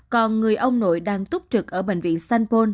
còn người ông nội đang túc trực ở bệnh viện sanh pôn